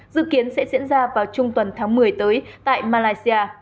dự kiến sẽ diễn ra vào trung tuần tháng một mươi tới tại malaysia